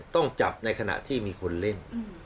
ต้องจับในขณะที่มีคนเล่น